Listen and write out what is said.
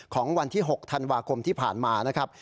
ของวันที่๖ธันวาคมที่ผ่านมานะครับ